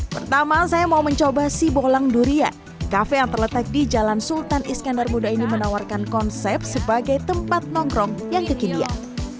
pertama saya mau mencoba sibolang durian kafe yang terletak di jalan sultan iskandar muda ini menawarkan konsep sebagai tempat nongkrong yang kekinian